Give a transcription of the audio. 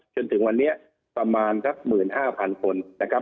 จนถึงวันนี้ประมาณสัก๑๕๐๐๐คนนะครับ